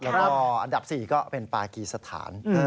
แล้วก็อันดับ๔ก็เป็นปากีสถาน